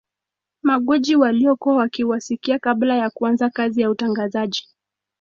Magwiji waliokuwa wakiwasikia kabla ya kuanza kazi ya utangazaji